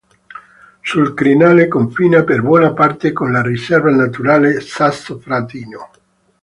Sul crinale confina per buona parte con la Riserva naturale Sasso Fratino.